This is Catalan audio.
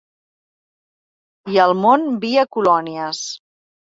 I al món, via colònies.